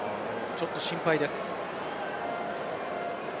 ちょっと心配です。